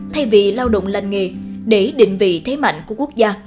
thay vì lao động lành nghề để định vị thế mạnh của quốc gia